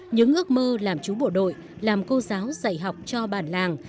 những ước mơ làm chú bộ đội làm cô giáo dạy học cho bản làng